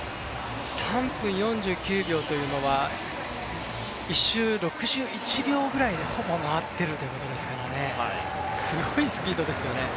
３分４９秒というのは１周６１秒ぐらいでほぼ回っているということですからすごいスピードですよね。